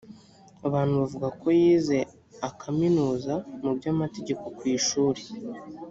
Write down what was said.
abantu bavuga ko yize akaminuza mu by amategeko ku ishuri